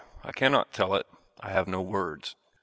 I cannot tell it. I have no words.